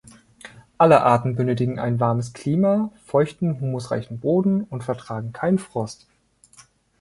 Alle Arten benötigen ein warmes Klima, feuchten, humusreichen Boden und vertragen keinen Frost.